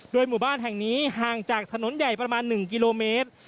หมู่บ้านแห่งนี้ห่างจากถนนใหญ่ประมาณ๑กิโลเมตร